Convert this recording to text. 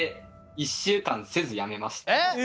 え！？